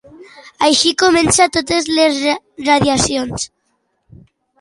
Així comencen totes les radiacions.